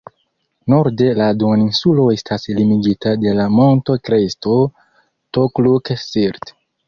Norde la duoninsulo estas limigita de la monto-kresto "Tokluk-Sirt".